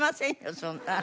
そんな。